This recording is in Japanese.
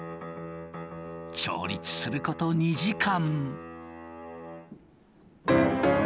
調律すること２時間。